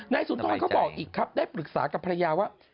สุนทรเขาบอกอีกครับได้ปรึกษากับภรรยาว่า